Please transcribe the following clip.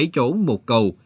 bảy chỗ một cầu